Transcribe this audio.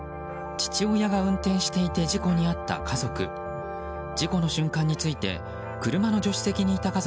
父親が運転していて事故に遭った家族。